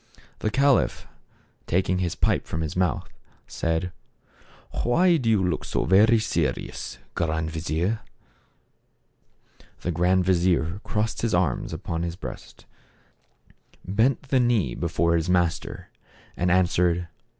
The caliph, taking his pipe from his mouth, said, " Why do you look so very serious, Grand vizier ?" The grand vizier crossed his arms upon his 88 THE CARAVAN. fedctleP breast, bent the knee before his master, and answered.